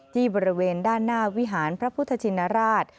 ที่บริเวณด้านหน้าวิหารพระพุทธชินราช